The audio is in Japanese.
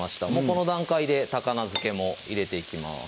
この段階で高菜漬けも入れていきます